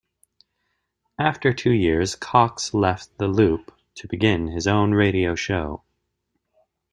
After two years, Cox left The Loop to begin his own radio show.